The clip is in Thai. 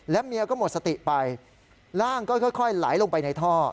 เมียก็หมดสติไปร่างก็ค่อยไหลลงไปในท่อ